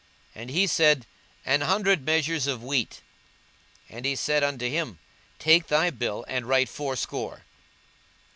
And he said, An hundred measures of wheat. And he said unto him, Take thy bill, and write fourscore.